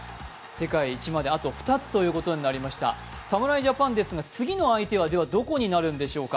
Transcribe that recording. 世界一まであと２つということになりました侍ジャパンですが、次の相手は、ではどこになるんでしょうか。